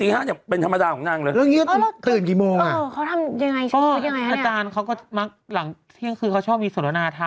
อ๋อเหรอหมอรักษ์นอนเช้า